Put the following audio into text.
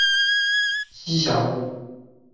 栖霞公主。